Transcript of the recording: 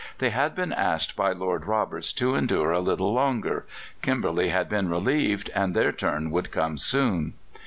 They had been asked by Lord Roberts to endure a little longer; Kimberley had been relieved, and their turn would come soon.